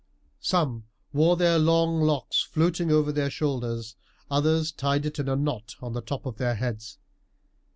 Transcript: Some wore their long locks floating over their shoulders, others tied it in a knot on the top of their heads.